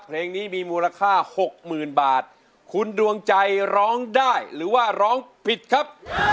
เพลงนี้มีมูลค่าหกหมื่นบาทคุณดวงใจร้องได้หรือว่าร้องผิดครับ